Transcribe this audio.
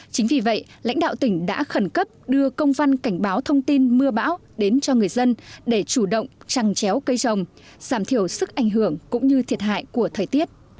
chính vì vậy lãnh đạo tỉnh đã khẩn cấp đưa công văn cảnh báo thông tin mưa bão đến cho người dân để chủ động trăng chéo cây trồng giảm thiểu sức ảnh hưởng cũng như thiệt hại của thời tiết